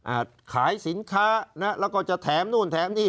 ขายสินค้านะแล้วก็จะแถมนู่นแถมนี่